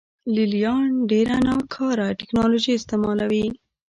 لې لیان ډېره ناکاره ټکنالوژي استعملوي